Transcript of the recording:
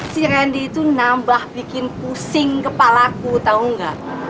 si randy itu nambah bikin pusing kepalaku tahu nggak